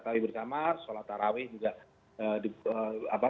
tahu bersama sholat taraweh juga